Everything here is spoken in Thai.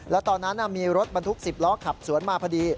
แล้วตอนนั้นมีรถบรรทุก๑๐ล้อขับสวนมาพอดี